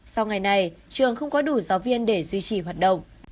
sau ngày này trường không có đủ giáo viên để duy trì hoạt động